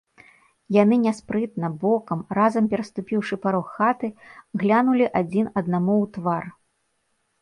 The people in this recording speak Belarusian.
Яны няспрытна, бокам, разам пераступіўшы парог хаты, глянулі адзін аднаму ў твар.